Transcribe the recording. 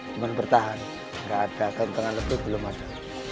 cuma bertahan nggak ada ganteng ganteng lebih belum ada